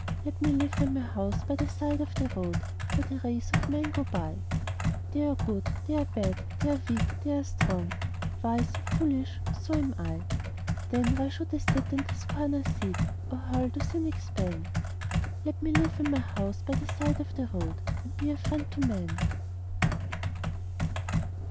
Let me live in my house by the side of the road, Where the race of men go by They are good, they are bad, they are weak, they are strong, Wise, foolish so am I. Then why should I sit in the scorner's seat, Or hurl the cynic's ban? Let me live in my house by the side of the road And be a friend to man.